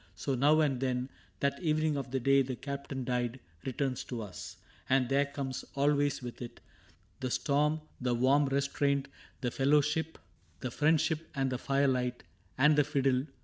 So, now and then. That evening of the day the Captain died Returns to us ; and there comes always with it The storm, the warm restraint, the fellowship. 84 CAPTAIN CRAIG The friendship and the firelight, and the fiddle.